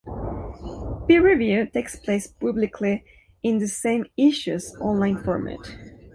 Peer review takes place publicly in the same "issues" online format.